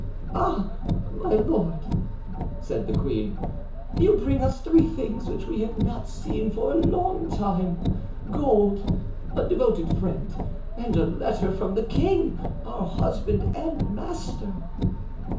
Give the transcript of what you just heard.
"Ah! my lord!" said the queen, "you bring us three things which we have not seen for a long time. Gold, a devoted friend, and a letter from the king, our husband and master."